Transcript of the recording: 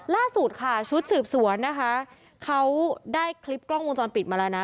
ล่าสุดค่ะชุดสืบสวนนะคะเขาได้คลิปกล้องวงจรปิดมาแล้วนะ